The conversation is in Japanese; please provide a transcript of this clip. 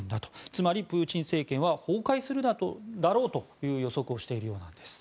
つまりプーチン政権は崩壊するだろうという予測をしているようなんです。